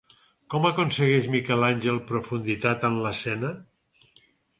Com aconsegueix Miquel Àngel profunditat en l'escena?